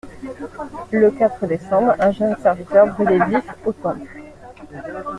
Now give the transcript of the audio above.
«Le quatre décembre, un jeune serviteur brûlé vif au Temple.